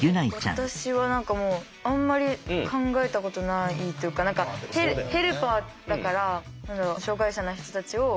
私は何かもうあんまり考えたことないというかヘルパーだから何だろう障害者の人たちを手助けというか。